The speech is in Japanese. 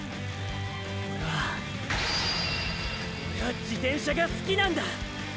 オレはオレは自転車が好きなんだ。